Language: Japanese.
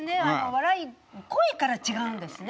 笑い声から違うんですね。